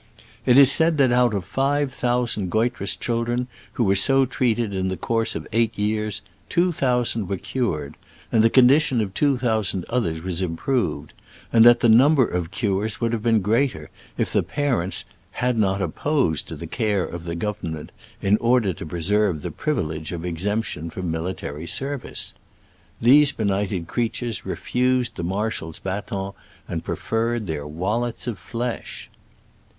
It is said that out of five thousand goitrous children who were so trctited in the course of eight years, two thousand were cured, and the con dition of two thousand others was im proved ; and that the number of cures would have been greater if the parents had not opposed the care of the gov ernment, in order to preserve the priv ilege of exemption from military ser vice,*' These benighted creatures re fused the marshal's baton and preferred their "wallets of flesh